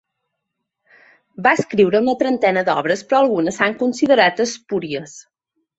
Va escriure una trentena d'obres però algunes s'han considerat espúries.